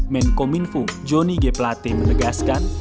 menkominfo jonny g plate menegaskan